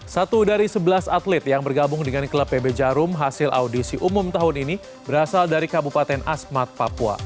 satu dari sebelas atlet yang bergabung dengan klub pb jarum hasil audisi umum tahun ini berasal dari kabupaten asmat papua